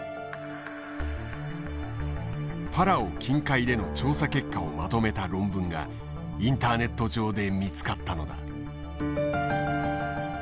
パラオ近海での調査結果をまとめた論文がインターネット上で見つかったのだ。